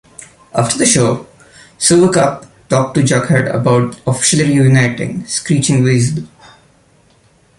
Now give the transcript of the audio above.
After the show, Sewercap talked to Jughead about officially reuniting Screeching Weasel.